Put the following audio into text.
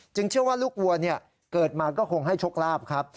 เชื่อว่าลูกวัวเกิดมาก็คงให้โชคลาภครับ